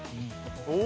お！